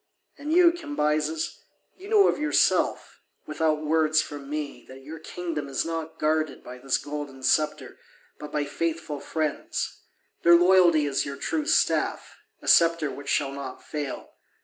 And you, Cambyses, you know of yourself, without words from me, that your kingdom is not guarded by this golden sceptre, but by faithful friends; their loyalty is your true staff, a sceptre which shall not fail.